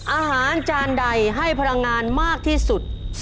อาหารจานใดให้พลังงานมากที่สุด